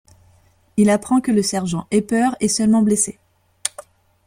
Il apprend que le sergent Epper est seulement blessé.